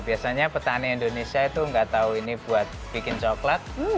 biasanya petani indonesia itu nggak tahu ini buat bikin coklat